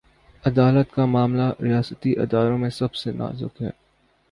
عدالت کامعاملہ، ریاستی اداروں میں سب سے نازک ہے۔